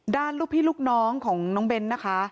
ลูกพี่ลูกน้องของน้องเบ้นนะคะ